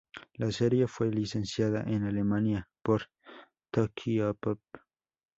La serie fue licenciada en Alemania por Tokyopop.